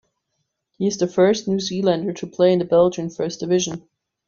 He is the first New Zealander to play in the Belgian First Division.